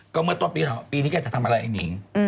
ก็เมื่อตอนปีนี้แกจะทำอะไรไอ้หนิง